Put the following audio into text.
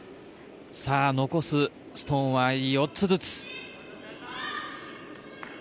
残すストーンは４つずつ。